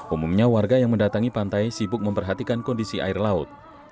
umumnya warga yang mendatangi pantai sibuk memperhatikan kondisi air laut